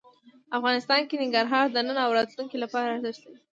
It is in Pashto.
افغانستان کې ننګرهار د نن او راتلونکي لپاره ارزښت لري.